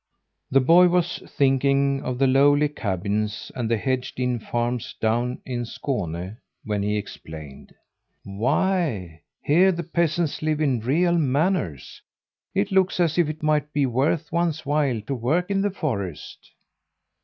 The boy was thinking of the lowly cabins and the hedged in farms down in Skåne when he exclaimed: "Why, here the peasants live in real manors. It looks as if it might be worth one's while to work in the forest!"